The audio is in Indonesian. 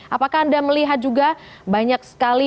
apakah anda melihat juga banyak sekali